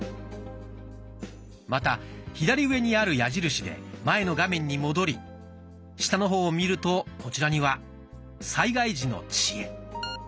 また左上にある矢印で前の画面に戻り下の方を見るとこちらには「災害時の知恵」。